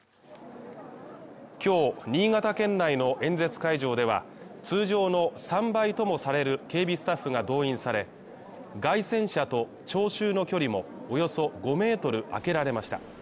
今日新潟県内の演説会場では、通常の３倍ともされる警備スタッフが動員され、街宣車と聴衆の距離もおよそ５ｍ空けられました。